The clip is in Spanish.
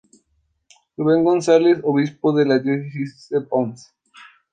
Ruben Gonzalez, Obispo de la Diócesis de Ponce.